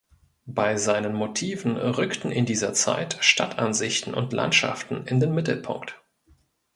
Bei seinen Motiven rückten in dieser Zeit Stadtansichten und Landschaften in den Mittelpunkt.